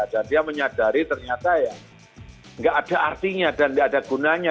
dan dia menyadari ternyata ya nggak ada artinya dan nggak ada gunanya